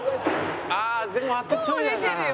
ああでもあとちょいだな。